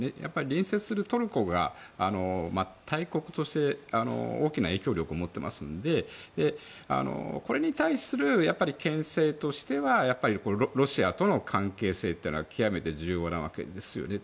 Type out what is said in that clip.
隣接するトルコが大国として大きな影響力を持っていますのでこれに対する牽制としてはロシアとの関係性というのは極めて重要なわけですよね。